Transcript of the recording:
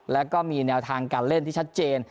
แล้วก็มีแนวทางการเล่นที่ชัดเจน